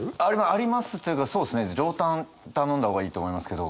ありますというかそうですね上タン頼んだ方がいいと思いますけど。